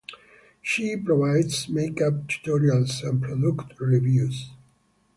She provides makeup tutorials and product reviews.